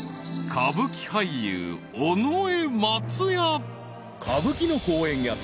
［歌舞伎俳優尾上松也］